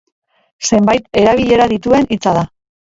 Zenbait erabilera dituen hitza da.